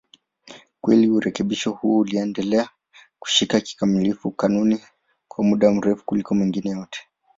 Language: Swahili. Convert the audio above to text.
Kweli urekebisho huo uliendelea kushika kikamilifu kanuni kwa muda mrefu kuliko mengine yote.